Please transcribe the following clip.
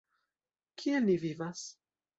Kiel ni vivas?